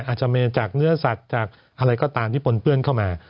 อาจจะมีจากเนื้อสัตว์จากอะไรก็ตามที่ปนเปื้อนเข้ามา